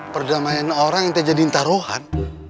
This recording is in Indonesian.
perdamaian orang itu jadi taruhan